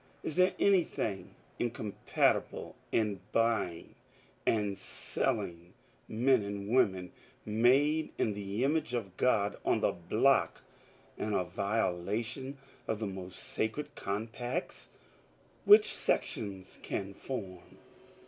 Is there anything incompatible in buying and selling men and women made in the image of God on the block and a violation of the most sacred com pacts which sections can form?